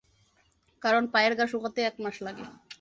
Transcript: কারণ পায়ের ঘা শুকাতে এক মাস লাগে।